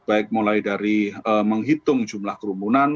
baik mulai dari menghitung jumlah kerumunan